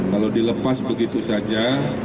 kalau dilepas begitu saja